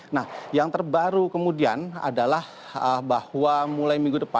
nah yang terbaru kemudian adalah bahwa mulai minggu depan